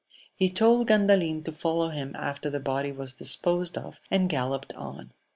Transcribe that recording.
. He told Gandalin to follow him after the body was disposed of, and gallopped on.